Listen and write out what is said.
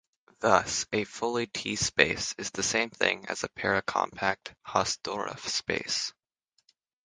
Thus, a fully T space is the same thing as a paracompact Hausdorff space.